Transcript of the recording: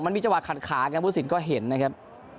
มันมีเจาะขัดขานะครับบุษินก็เห็นนะครับ